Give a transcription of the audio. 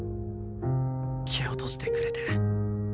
蹴落としてくれて。